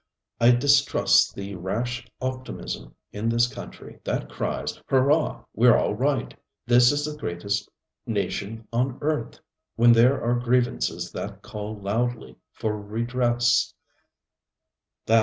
I distrust the rash optimism in this country that cries, ŌĆ£Hurrah, weŌĆÖre all right! This is the greatest nation on earth, ŌĆØ when there are grievances that call loudly for redress.